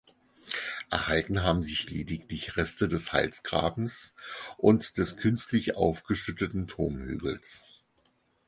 Erhalten haben sich lediglich Reste des Halsgrabens und des künstlich aufgeschütteten Turmhügels.